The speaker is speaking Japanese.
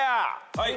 はい！